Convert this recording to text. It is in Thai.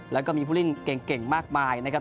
แล้วก็มีผู้เล่นเก่งมากมายนะครับ